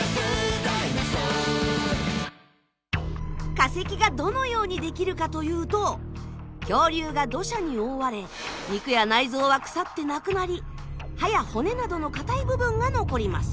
化石がどのようにできるかというと恐竜が土砂に覆われ肉や内臓は腐ってなくなり歯や骨などの硬い部分が残ります。